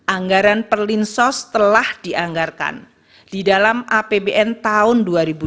anggaran perlinsos telah dianggarkan di dalam apbn tahun dua ribu dua puluh